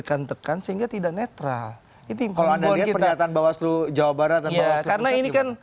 kesehatan yang terjadi